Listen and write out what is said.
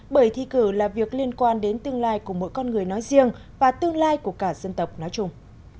bởi thi cử là việc liên quan đến tương lai của mỗi con người nói riêng và tương lai của cả dân tộc nói chung